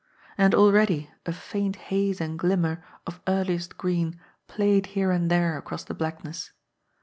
And already a faint haze and glimmer of earliest green played here and there across the blackness.